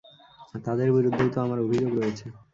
তাঁদের বিরুদ্ধেই তো আমার অভিযোগ রয়েছে।